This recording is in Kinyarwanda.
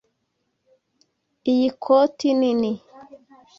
Iyi koti nini.